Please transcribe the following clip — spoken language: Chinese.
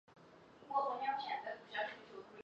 该剧讲述了一个人与海的故事。